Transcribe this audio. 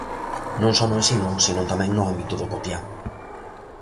Non só no ensino, senón tamén no ámbito do cotiá.